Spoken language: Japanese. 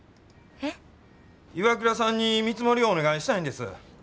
ＩＷＡＫＵＲＡさんに見積もりをお願いしたいんです。